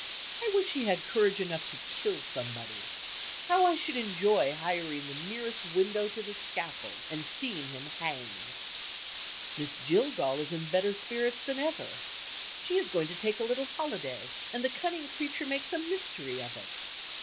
I wish he had courage enough to kill somebody. How I should enjoy hiring the nearest window to the scaffold, and seeing him hanged! Miss Jillgall is in better spirits than ever. She is going to take a little holiday; and the cunning creature makes a mystery of it.